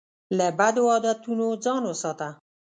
له بدو عادتونو ځان وساته.